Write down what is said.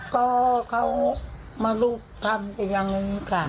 ก็เขามารูปทำไปอย่างหนึ่งค่ะ